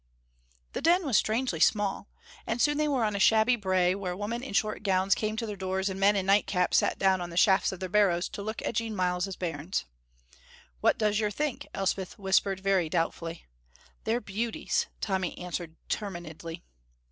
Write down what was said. The Den was strangely small, and soon they were on a shabby brae where women in short gowns came to their doors and men in night caps sat down on the shafts of their barrows to look at Jean Myles's bairns. "What does yer think?" Elspeth whispered, very doubtfully. "They're beauties," Tommy answered, determinedly.